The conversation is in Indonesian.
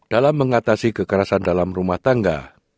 dalam mengatasi kekerasan dalam rumah tangga